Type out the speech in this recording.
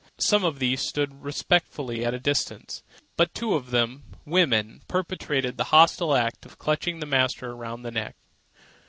Some of these stood respectfully at a distance; but two of them, women, perpetrated the hostile act of clutching the master around the neck.